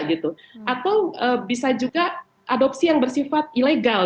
atau bisa juga adopsi yang bersifat ilegal